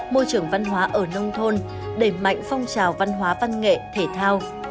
môi trường văn hóa ở nông thôn đẩy mạnh phong trào văn hóa văn nghệ thể thao